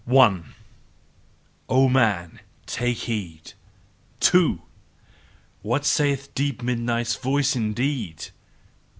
One! O man! Take heed! Two! What saith deep midnight's voice indeed?